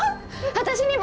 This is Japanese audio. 私にも！